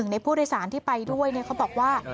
ในผู้โดยสารที่ไปด้วยเขาบอกว่า